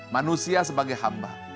manusia sebagai hamba